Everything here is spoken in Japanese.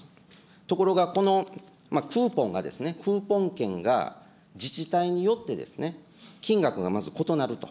ところがこのクーポンがですね、クーポン券が自治体によって、金額がまず異なると。